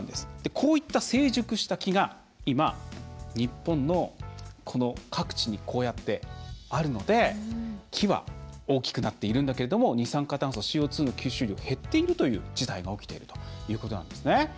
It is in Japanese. こういった成熟した木が今、日本の各地にこうやって、あるので、木は大きくなっているんだけれども二酸化炭素＝ＣＯ２の吸収量は減っているという事態が起きているということなんですね。